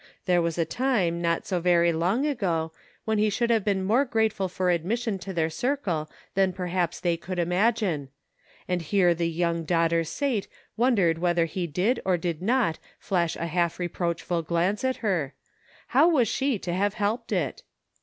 There was a time, not so very long ago, when he should have been more grateful for admis sion to their circle than perhaps they could imagine ; and here the young daughter Sate wondered whether he did or did not flash a half reproachful glance at her ; how was she to have helped it